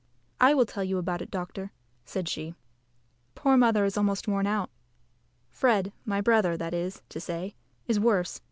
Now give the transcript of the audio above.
"I will tell you about it, doctor," said she. "Poor mother is almost worn out. Fred my brother, that is to say, is worse.